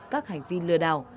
các hành vi lừa đảo